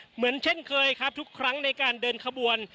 เหมือนเช่นเคยครับทุกครั้งในการเดินขบวน